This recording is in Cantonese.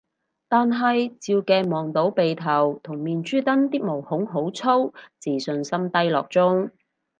但係照鏡望到鼻頭同面珠墩啲毛孔好粗，自信心低落中